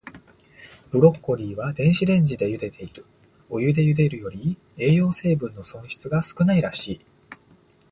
ブロッコリーは、電子レンジでゆでている。お湯でゆでるより、栄養成分の損失が少ないらしい。